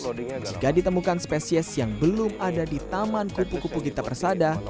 jika ditemukan spesies yang belum ada di taman kupu kupu gita persada